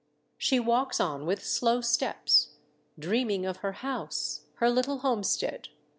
She walks on with slow steps, dreaming of her house, her little homestead.